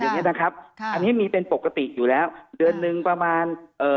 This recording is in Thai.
อย่างเงี้นะครับค่ะอันนี้มีเป็นปกติอยู่แล้วเดือนหนึ่งประมาณเอ่อ